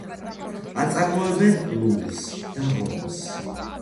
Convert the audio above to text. აწარმოებენ ლუდს და რომს.